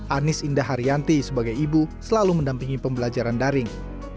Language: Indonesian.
anies indah haryanti sebagai ibu selalu mendampingi pembelajaran daring